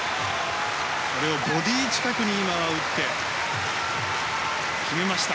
これをボディー近くに打って決めました。